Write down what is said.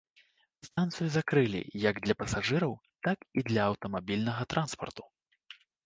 Станцыю закрылі як для пасажыраў, так і для аўтамабільнага транспарту.